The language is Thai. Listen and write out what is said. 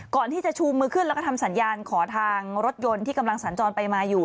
ก่อนที่จะชูมือขึ้นแล้วก็ทำสัญญาณขอทางรถยนต์ที่กำลังสัญจรไปมาอยู่